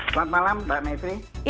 selamat malam mbak mery